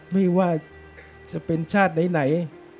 ไม่ว่าจะเป็นชาติไหน